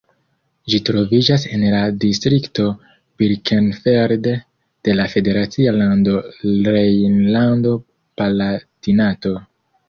Ĝi troviĝas en la distrikto Birkenfeld de la federacia lando Rejnlando-Palatinato.